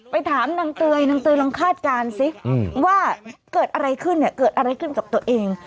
ไปถามนางเตยนางเตยลองคาดการณ์สิว่าเกิดอะไรขึ้นเนี่ยเกิดอะไรขึ้นกับตัวเอง